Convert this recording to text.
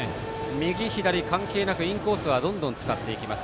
右左関係なくインコースはどんどん使っていきます。